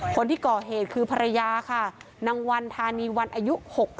คนที่ก่อเหตุคือภรรยาค่ะนางวันธานีวันอายุ๖๐